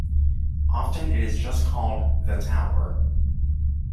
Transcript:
Often it is just called "the tower".